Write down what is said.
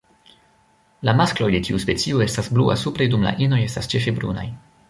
La maskloj de tiu specio estas blua supre, dum la inoj estas ĉefe brunaj.